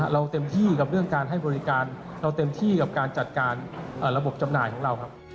เต็มที่กับเรื่องการให้บริการเราเต็มที่กับการจัดการระบบจำหน่ายของเราครับ